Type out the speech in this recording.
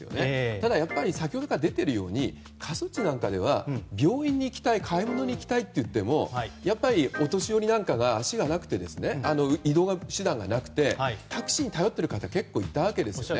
ただ、やっぱり先ほどから出ているように過疎地なんかでは病院に行きたい買い物に行きたいと言ってもお年寄りなんかが移動手段がなくてタクシーに頼っている方結構いたわけですね。